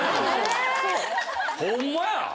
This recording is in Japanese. ホンマや。